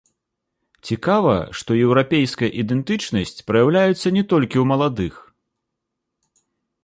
Цікава, што еўрапейская ідэнтычнасць праяўляецца не толькі ў маладых.